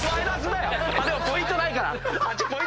でもポイントないから。